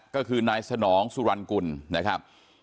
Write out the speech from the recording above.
ก็คือนายสนองสุรรณกุลนะครับ